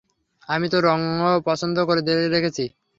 আমি তো রঙও পছন্দ করে রেখেছি।